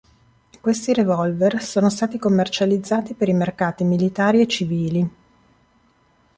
Questi revolver sono stati commercializzati per i mercati militari e civili.